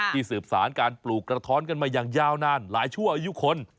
สืบสารการปลูกกระท้อนกันมาอย่างยาวนานหลายชั่วอายุคน